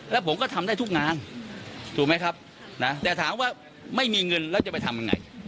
แล้วผมก็ทำได้ทุกงานถูกไหมครับนะแต่ถามว่าไม่มีเงินแล้วจะไปทำยังไง